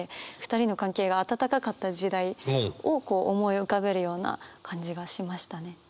２人の関係が温かかった時代を思い浮かべるような感じがしましたね。